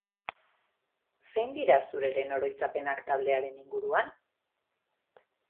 Zein dira zure lehen oroitzapenak taldearen inguruan?